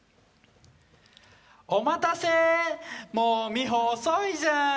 お待たせもう、みほ、遅いじゃん！